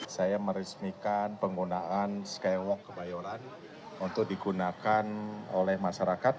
saya meresmikan penggunaan skywalk kebayoran untuk digunakan oleh masyarakat